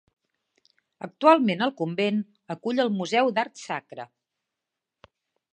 Actualment, el convent acull el Museu d'Art Sacre.